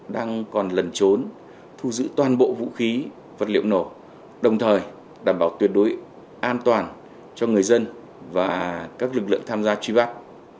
đang còn lần trốn thu giữ toàn bộ vũ khí vật liệu nổ đồng thời đảm bảo tuyệt đối an toàn cho người dân và các lực lượng tham gia truy bắt